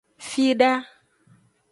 Fida.